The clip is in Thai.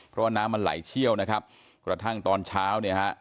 เพราะว่าน้ำมันไหลเชี่ยวนะครับกระทั่งตอนเช้าเนี่ยฮะ